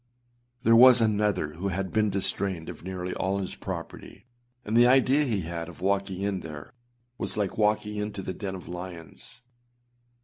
There was another who had been distrained of nearly all his property; and the idea he had of walking in there was like walking into the den of lions.